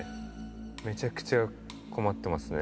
めちゃくちゃ困ってますね。